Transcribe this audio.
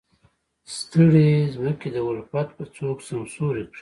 ستړې ځمکې د الفت به څوک سمسورې کړي.